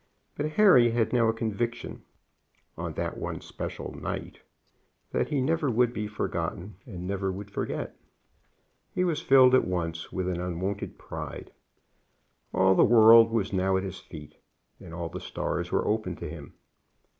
But Harry had now a conviction, on that one special night, that he never would be forgotten and never would forget. He was filled at once with an unwonted pride. All the world was now at his feet, and all the stars were open to him.